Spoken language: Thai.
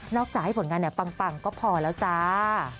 จากให้ผลงานปังก็พอแล้วจ้า